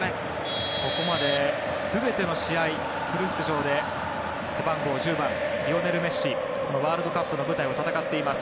ここまで全ての試合フル出場で背番号１０番リオネル・メッシワールドカップの舞台を戦っています。